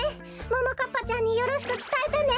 ももかっぱちゃんによろしくつたえてね。